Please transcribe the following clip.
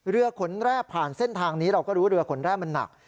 เรือขนแร่ผ่านเส้นทางนี้เราก็รู้เรือขนแร่มันหนัก